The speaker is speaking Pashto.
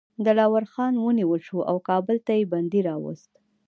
دلاور خان ونیول شو او کابل ته یې بندي راووست.